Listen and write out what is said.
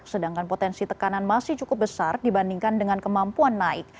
sedangkan potensi tekanan masih cukup besar dibandingkan dengan kemampuan naik